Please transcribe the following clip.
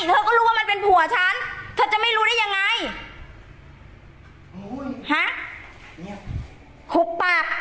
เธอก็รู้ว่ามันเป็นผัวฉันเธอจะไม่รู้ได้ยังไงฮะเนี้ยคุบปาก